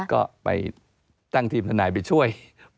ก็ไปตั้งทีมทนายไปช่วย